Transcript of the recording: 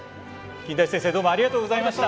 金田一先生どうもありがとうございました！